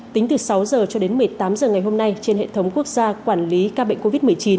tính từ sáu h cho đến một mươi tám h ngày hôm nay trên hệ thống quốc gia quản lý ca bệnh covid một mươi chín